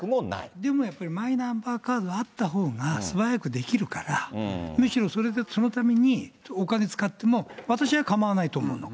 でもマイナンバーカードあったほうが、すばやくできるから、むしろそのためにお金使っても私は構わないと思うの。